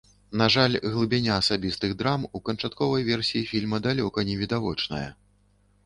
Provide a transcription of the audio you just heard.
На жаль, глыбіня асабістых драм у канчатковай версіі фільма далёка не відавочная.